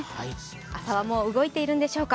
朝はもう動いているんでしょうか？